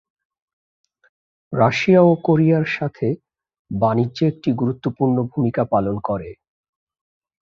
Russia ও কোরিয়ার সাথে বাণিজ্যে এটি গুরুত্বপূর্ণ ভূমিকা পালন করে।